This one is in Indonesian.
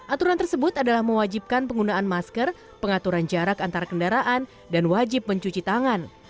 aturan tersebut adalah mewajibkan penggunaan masker pengaturan jarak antara kendaraan dan wajib mencuci tangan